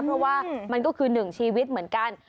เพราะว่ามันก็คือหนึ่งชีวิตเหมือนกัน